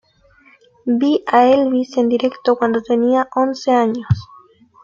Vi a Elvis en directo cuando tenía once años.